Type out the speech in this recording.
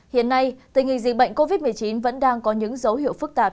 hiện nay tình hình dịch bệnh covid một mươi chín vẫn đang có những dấu hiệu phức tạp